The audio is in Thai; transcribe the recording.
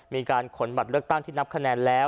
มีการขนบัตรเลือกตั้งที่นับคะแนนแล้ว